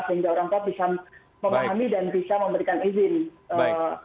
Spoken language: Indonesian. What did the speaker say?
sehingga orang tua bisa memahami dan bisa memberikan izin